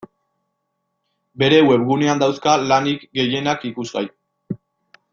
Bere webgunean dauzka lanik gehienak ikusgai.